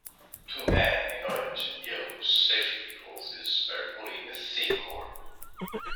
Two men in orange and yellow safety clothes are pulling a thick cord.